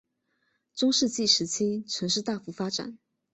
中世纪时期城市大幅发展。